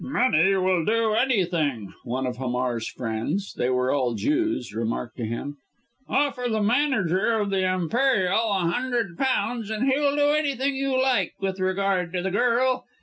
"Money will do anything," one of Hamar's friends they were all Jews remarked to him. "Offer the manager of the Imperial a hundred pounds and he'll do anything you like with regard to the girl.